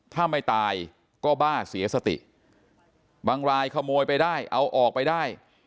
ถ้าไม่ตายก็บ้าเสียสติบางรายขโมยไปได้เอาออกไปได้